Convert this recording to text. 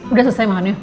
udah selesai makan ya